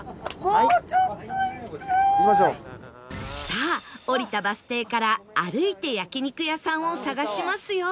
さあ降りたバス停から歩いて焼肉屋さんを探しますよ